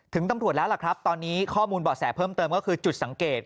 ตำรวจแล้วล่ะครับตอนนี้ข้อมูลเบาะแสเพิ่มเติมก็คือจุดสังเกต